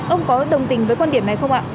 ông có đồng tình với quan điểm này không ạ